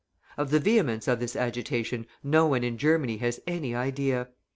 Of the vehemence of this agitation no one in Germany has any idea.